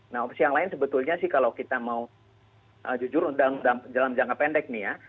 nah opsi yang lain sebetulnya sih kalau kita mau jujur dalam jangka pendek nih ya